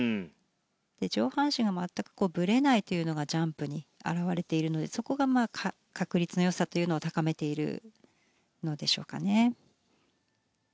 上半身が全くぶれないというのがジャンプに表れているのでそこが確率のよさというのを高めているのでしょうかね。